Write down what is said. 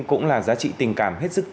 cũng là giá trị tình cảm hết sức thiêng niêng